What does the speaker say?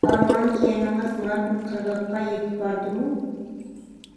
ئارمان كېمىڭىز مۇراد قىرغىقىغا يىتىپ باردىمۇ؟